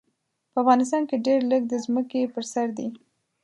په افغانستان کې ډېر لږ د ځمکې په سر دي.